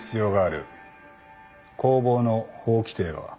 公妨の法規定は？